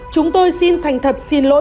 chúng tôi xin thành thật xin lỗi